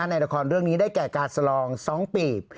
ในละครเรื่องนี้ได้แก่การสลอง๒ปีบ